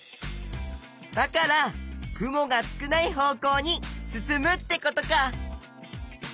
だから雲が少ない方向に進むってことか。